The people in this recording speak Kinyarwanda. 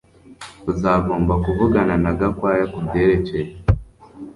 Uzagomba kuvugana na Gakwaya kubyerekeye